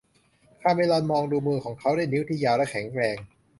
คาเมรอนมองดูมือของเขาด้วยนิ้วที่ยาวและแข็งแรง